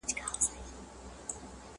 اوس رستم غوندي ورځم تر كندوگانو!.